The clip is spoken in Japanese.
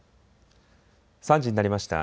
３時になりました。